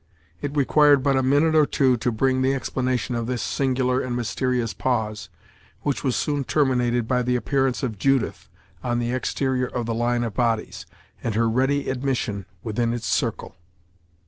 It required but a minute or two to bring an explanation of this singular and mysterious pause, which was soon terminated by the appearance of Judith on the exterior of the line of bodies, and her ready admission within its circle.